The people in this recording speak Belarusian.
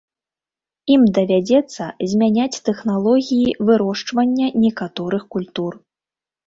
Ім давядзецца змяняць тэхналогіі вырошчвання некаторых культур.